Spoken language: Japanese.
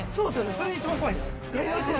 それが一番怖いです。